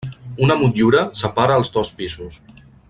Una motllura separa els dos pisos.